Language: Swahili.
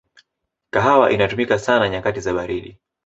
kahawa inatumika sana nyakati za baridi